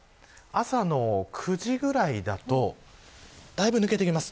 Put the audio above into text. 朝の９時ぐらいだとだいぶ抜けていきます。